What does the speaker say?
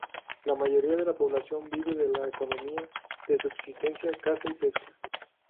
La mayoría de la población vive de la economía de subsistencia: caza y pesca.